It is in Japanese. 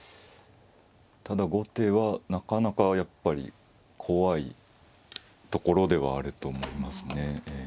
ただ後手はなかなかやっぱり怖いところではあると思いますね。